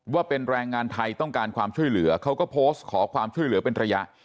ว่าเป็นแรงงานไทยต้องการความช่วยเหลือเขาก็โพสต์ขอความช่วยเหลือเป็นระยะ